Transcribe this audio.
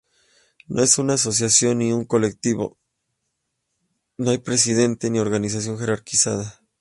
No es una asociación ni un colectivo, no hay presidente ni organización jerarquizada.